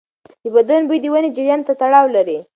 د بدن بوی د وینې جریان ته تړاو لري.